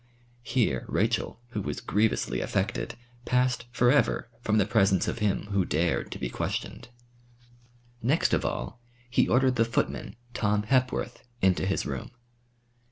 Here Rachel, who was grievously affected, passed for ever from the presence of him who dared to be questioned. Next of all, he ordered the footman, Tom Hepworth, into his room.